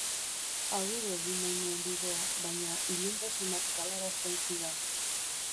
Agudo egin nahi nuen bidea, baina iluntasunak galarazten zidan.